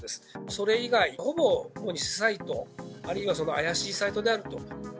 それ以外、ほぼ偽サイトあるいは怪しいサイトであると。